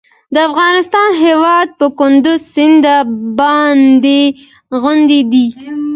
د افغانستان هیواد په کندز سیند باندې غني دی.